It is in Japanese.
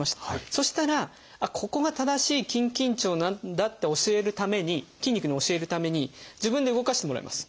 そしたらここが正しい筋緊張なんだって教えるために筋肉に教えるために自分で動かしてもらいます。